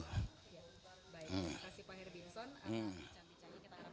baik terima kasih pak herbin son